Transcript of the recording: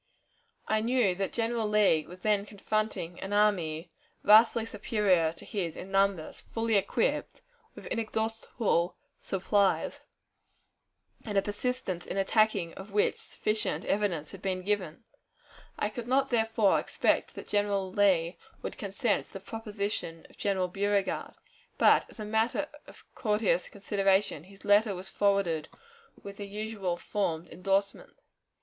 I knew that General Lee was then confronting an army vastly superior to his in numbers, fully equipped, with inexhaustible supplies, and a persistence in attacking of which sufficient evidence had been given. I could not therefore expect that General Lee would consent to the proposition of General Beauregard; but, as a matter of courteous consideration, his letter was forwarded with the usual formed endorsement.